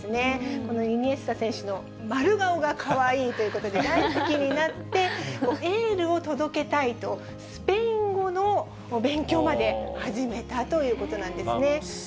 このイニエスタ選手の丸顔がかわいいということで、大好きになって、エールを届けたいと、スペイン語の勉強まで始めたということなんですね。